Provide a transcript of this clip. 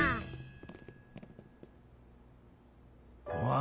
あ